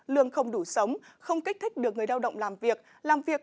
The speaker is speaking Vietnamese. lương không đủ sống không kích thích được người lao động làm việc